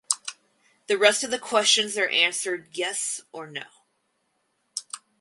The rest of the questions are answered "yes" or "no".